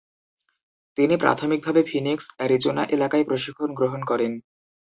তিনি প্রাথমিকভাবে Phoenix, Arizona এলাকায় প্রশিক্ষণ গ্রহণ করেন।